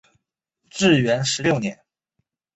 至元十六年。